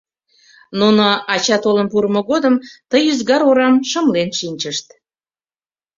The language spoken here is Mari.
Нуно ача толын пурымо годым ты ӱзгар орам шымлен шинчышт.